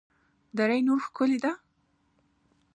دره نور ښکلې ده؟